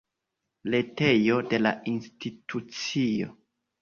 Retejo de la institucio.